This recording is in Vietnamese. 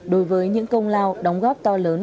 đối với những công lao đóng góp to lớn